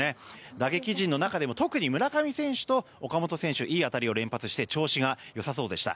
打撃陣の中でも特に村上選手と岡本選手いい当たりを連発して調子がよさそうでした。